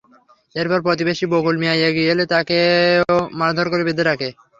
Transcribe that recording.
এরপর প্রতিবেশী বকুল মিয়া এগিয়ে এলে তারা তাঁকেও মারধর করে বেঁধে রাখে।